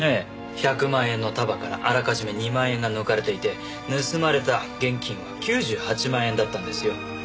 １００万円の束からあらかじめ２万円が抜かれていて盗まれた現金は９８万円だったんですよ。